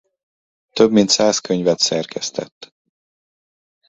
Több mint száz könyvet szerkesztett.